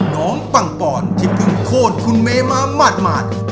น้องปังป่อนที่เพิ่งโค้นคุณเมมามาด